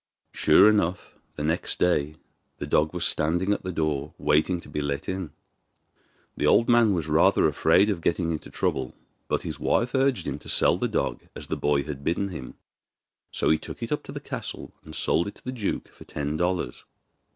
Sure enough the next day the dog was standing at the door waiting to be let in. The old man was rather afraid of getting into trouble, but his wife urged him to sell the dog as the boy had bidden him, so he took it up to the castle and sold it to the duke for ten dollars.